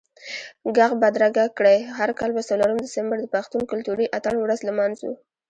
ږغ بدرګه کړئ، هر کال به څلورم دسمبر د پښتون کلتوري اتڼ ورځ لمانځو